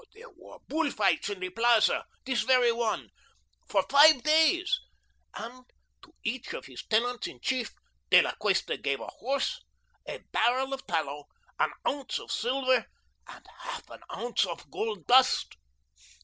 There were bull fights in the Plaza this very one for five days, and to each of his tenants in chief, De La Cuesta gave a horse, a barrel of tallow, an ounce of silver, and half an ounce of gold dust.